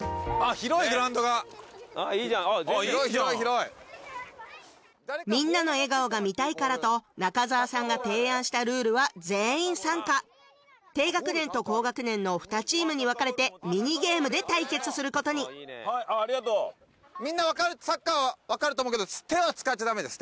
広いグラウンドがあいいじゃんあっいいじゃん広い広いみんなの笑顔が見たいからと中澤さんが提案したルールは全員参加低学年と高学年の２チームに分かれてミニゲームで対決することにみんな分かれてサッカーわかると思うけど手は使っちゃダメです